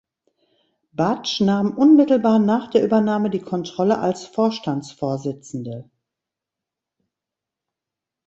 Budge nahm unmittelbar nach der Übernahme die Kontrolle als Vorstandsvorsitzende.